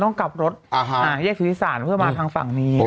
ต้องกลับรถอ่าเย็กชีวิตศาลเพื่อมาทางฝั่งนี้